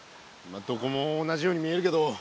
どこも同じように見えるけど。